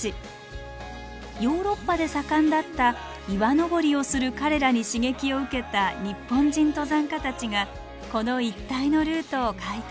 ヨーロッパで盛んだった岩登りをする彼らに刺激を受けた日本人登山家たちがこの一帯のルートを開拓。